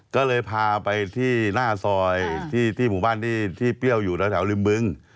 ก็เลยพาไปที่หน้าซอยที่หมู่บ้านที่เปรี้ยวอยู่แถวริมบึง